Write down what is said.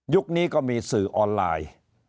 นี้ก็มีสื่อออนไลน์